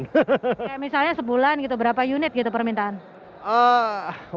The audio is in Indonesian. kayak misalnya sebulan gitu berapa unit gitu permintaan